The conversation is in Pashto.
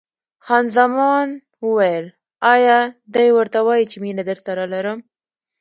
خان زمان وویل: ایا دی ورته وایي چې مینه درسره لرم؟